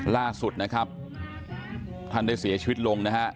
ล่าสุดนะครับท่านได้เสียชีวิตลงนะฮะ